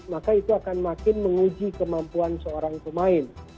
maka itu akan makin menguji kemampuan seorang pemain